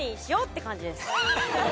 って感じです